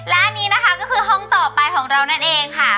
และอันนี้นะคะก็คือห้องต่อไปของเรานั่นเองค่ะ